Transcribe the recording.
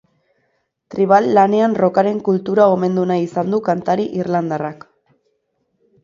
Tribal lanean rockaren kultura omendu nahi izan du kantari irlandarrak.